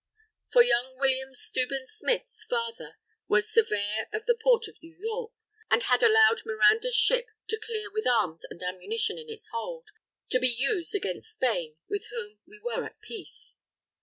For young William Steuben Smith's father was surveyor of the port of New York, and had allowed Miranda's ship to clear with arms and ammunition in its hold, to be used against Spain with whom we were at peace.